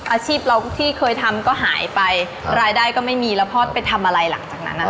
อาชีพเราที่เคยทำก็หายไปรายได้ก็ไม่มีแล้วพ่อไปทำอะไรหลังจากนั้นนะคะ